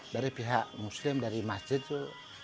dari pihak muslim dari masjid itu